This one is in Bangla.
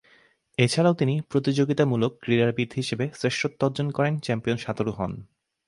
এছাড়াও তিনি প্রতিযোগিতামূলক ক্রীড়াবিদ হিসেবে শ্রেষ্ঠত্ব অর্জন করেন, চ্যাম্পিয়ন সাঁতারু হন।